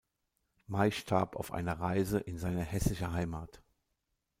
May starb auf einer Reise in seine hessische Heimat.